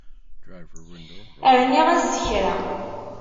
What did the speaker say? Rniɣ-as kra.